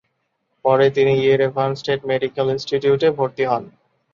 পরবর্তীতে তিনি Yerevan state medical ইনস্টিটিউটে ভরতি হন।